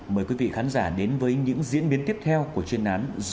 mời quý vị khán giả đến với những diễn biến tiếp theo của chuyên án gm sáu mươi năm ngay sau đây